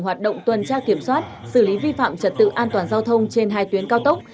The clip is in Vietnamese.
hoạt động tuần tra kiểm soát xử lý vi phạm trật tự an toàn giao thông trên hai tuyến cao tốc